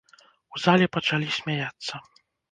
У зале пачалі смяяцца.